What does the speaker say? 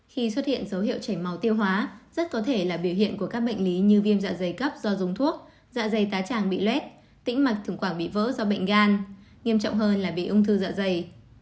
khi xuất hiện dấu hiệu chảy máu tiêu hóa rất có thể là biểu hiện của các bệnh lý như viêm dạ dày cấp do dùng thuốc dạ dây tá tràng bị lét tĩnh mặc thường quảng bị vỡ do bệnh gan nghiêm trọng hơn là bị ung thư dạ dày